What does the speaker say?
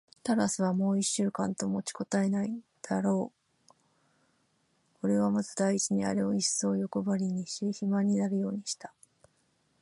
タラスはもう一週間と持ちこたえないだろう。おれはまず第一にあれをいっそうよくばりにし、肥満になるようにした。